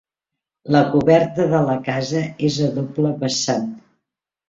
La coberta de la casa és a doble vessant.